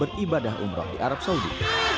beribadah umroh di arab saudi